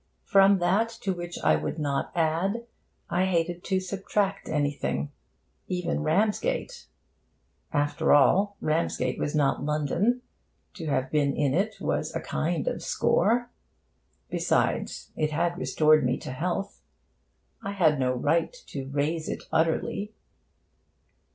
From that to which I would not add I hated to subtract anything even Ramsgate. After all, Ramsgate was not London; to have been in it was a kind of score. Besides, it had restored me to health. I had no right to rase it utterly.